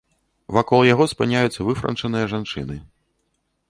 Вакол яго спыняюцца выфранчаныя жанчыны.